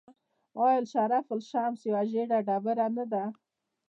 آیا شرف الشمس یوه ژیړه ډبره نه ده؟